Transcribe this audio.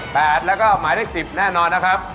แล้วก็หมายเลขสิบแน่นอนนะครับ